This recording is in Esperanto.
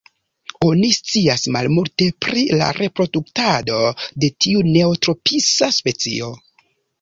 Oni scias malmulte pri la reproduktado de tiu neotropisa specio.